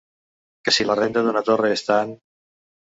...que si la renda d'una torra és tant